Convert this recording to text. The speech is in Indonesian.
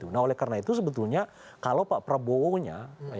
nah oleh karena itu sebetulnya kalau pak prabowo nya